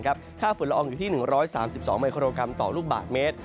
ค่าฝุ่นละอองอยู่ที่๑๓๒มิโครกรัมต่อลูกบาทเมตร